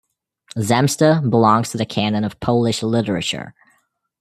"Zemsta" belongs to the canon of Polish literature.